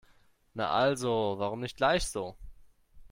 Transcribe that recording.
Na also, warum nicht gleich so?